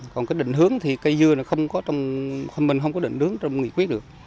còn cái định hướng thì cây dưa mình không có định hướng trong nghị quyết được